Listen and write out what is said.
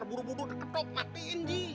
buru buru ketok ketok matiin ji